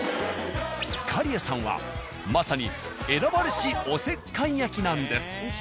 假屋さんはまさに選ばれしおせっかい焼きなんです。